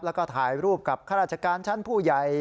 แล้วก็ถ่ายรูปกับข้าราชการชั้นผู้ใหญ่